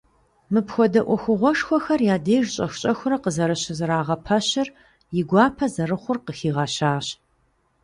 Мыпхуэдэ ӏуэхугъуэшхуэхэр я деж щӏэх-щӏэхыурэ къызэрыщызэрагъэпэщыр и гуапэ зэрыхъур къыхигъэщащ.